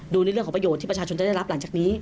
ในเรื่องของประโยชน์ที่ประชาชนจะได้รับหลังจากนี้